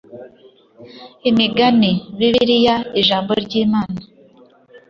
Imigani Bibiliya Ijambo ry’Imana